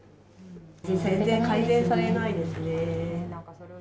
全然、改善されないですね。